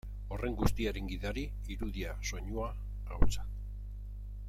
Horren guztiaren gidari, irudia, soinua, ahotsa.